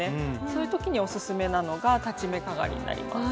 そういう時にオススメなのが裁ち目かがりになります。